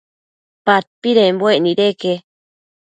Padpidembuec nideque